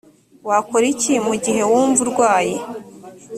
wakora iki mu gihe wumva urwaye‽